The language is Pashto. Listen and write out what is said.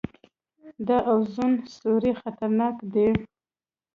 د اوزون سورۍ خطرناک دی